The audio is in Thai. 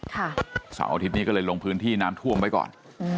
เสาร์อาทิตย์นี้ก็เลยลงพื้นที่น้ำท่วมไว้ก่อนอืม